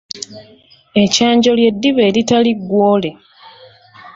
Ekyanjo ly’eddiba eritali ggwoole.